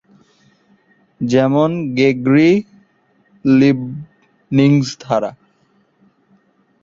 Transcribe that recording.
যেমন গ্রেগরি-লিবনিৎজ ধারা।